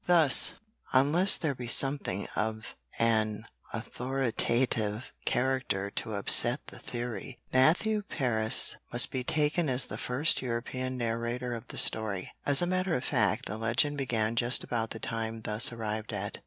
Thus unless there be something of an authoritative character to upset the theory, Matthew Paris must be taken as the first European narrator of the story. As a matter of fact the legend began just about the time thus arrived at.